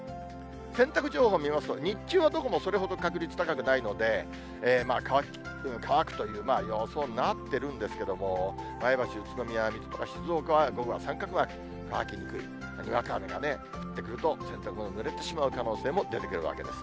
洗濯情報見ますと、日中はどこもそれほど確率高くないので、乾くという、まあ、予想になっているんですけれども、前橋、宇都宮、水戸、静岡は午後は三角マーク、乾きにくい、にわか雨が降ってくると、お洗濯物、ぬれてしまう可能性も出てくるわけです。